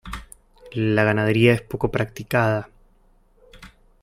La ganadería es poco practicada.